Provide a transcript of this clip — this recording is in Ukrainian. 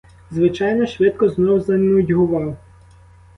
Звичайно, швидко знов занудьгував.